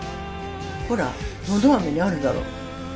ほらのど飴にあるだろ。